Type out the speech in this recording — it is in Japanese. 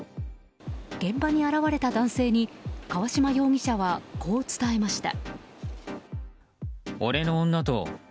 現場に現れた男性に川島容疑者は、こう伝えました。